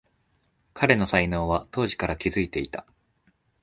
彼の才能は当時から気づいていた